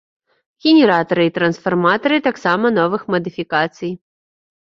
Генератары і трансфарматары таксама новых мадыфікацый.